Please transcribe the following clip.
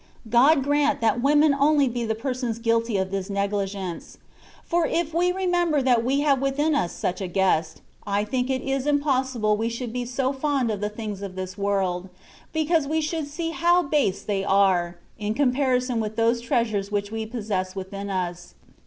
God grant that women only be the persons guilty of this negligence ; for if we remember that we have within us such a guest, I think it is impossible we should be ,so fond of the things of this world, because we should see how base they are, in comparison with those treasures which we possess within us.